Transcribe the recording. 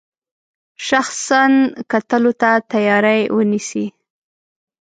شخصا کتلو ته تیاری ونیسي.